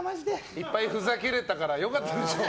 いっぱいふざけれたから良かったでしょう。